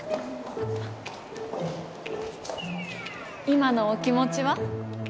今のお気持ちは？